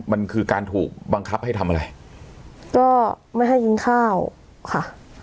มันคือการถูกบังคับให้ทำอะไรก็ไม่ให้กินข้าวค่ะ